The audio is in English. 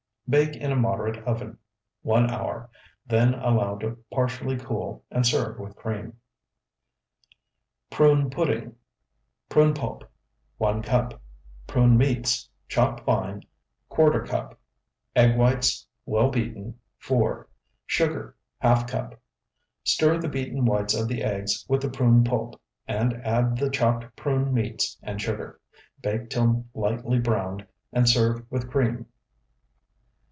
Bake in moderate oven one hour; then allow to partially cool, and serve with cream. PRUNE PUDDING Prune pulp, 1 cup. Prune meats, chopped fine, ¼ cup. Egg whites, well beaten, 4. Sugar, ½ cup. Stir the beaten whites of the eggs with the prune pulp, and add the chopped prune meats and sugar. Bake till lightly browned, and serve with cream.